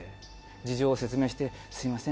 事情を説明してすみません